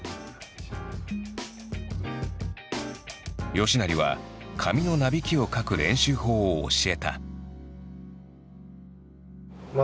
吉成は髪のなびきを描く練習法を教えた。